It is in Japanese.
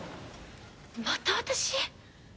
また私！？